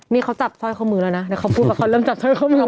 นี่เขาจับสร้อยข้อมือแล้วนะเดี๋ยวเขาพูดว่าเขาเริ่มจับสร้อยข้อมือ